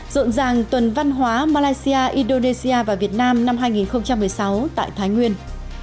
rộn ràng tuần văn hóa malaysia indonesia và việt nam năm hai nghìn một mươi sáu tại thái nguyên